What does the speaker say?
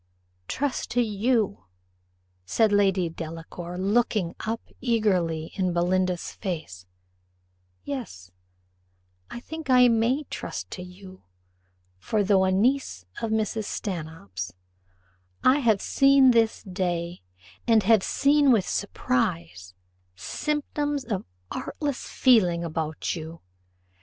"Trust to you!" said Lady Delacour, looking up eagerly in Belinda's face; "yes I think I may trust to you; for though a niece of Mrs. Stanhope's, I have seen this day, and have seen with surprise, symptoms of artless feeling about you.